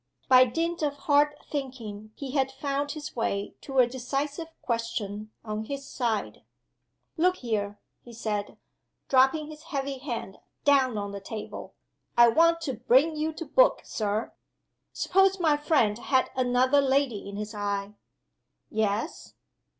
By dint of hard thinking he had found his way to a decisive question on his side. "Look here!" he said, dropping his heavy hand down on the table. "I want to bring you to book, Sir! Suppose my friend had another lady in his eye?" "Yes?"